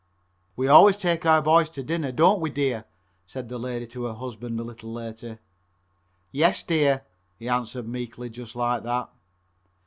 "We always take our boys to dinner, don't we, dear?" said the lady to her husband a little later. "Yes, dear," he answered meekly, just like that.